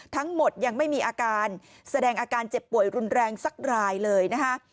ทั้งหมดยังไม่มีอาการแสดงอาการเจ็บป่วยรุนแรงสักรายเลยนะคะ